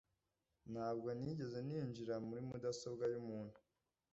Ntabwo nigeze ninjira muri mudasobwa y'umuntu